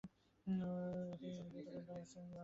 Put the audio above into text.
অধ্যাপক ডয়সন খুব সদয় ব্যবহার করেছিলেন।